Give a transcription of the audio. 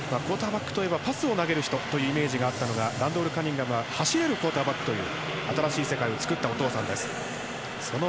クオーターバックといえばパスを投げる人というイメージがあったのが走れるクオーターバックという新しいイメージを作ったお父さん。